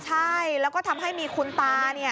ใช่แล้วก็ทำให้มีคุณตา